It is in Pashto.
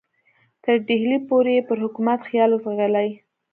تر ډهلي پورې یې پر حکومت خیال وځغلي.